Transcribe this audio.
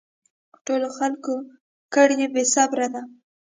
ټولو خلکو کړی بې صبري ده